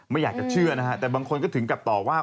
ไม่อยากจะเชื่อนะฮะแต่บางคนก็ถึงกับต่อว่า